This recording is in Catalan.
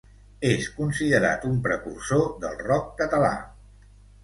És considerat un precursor del rock català.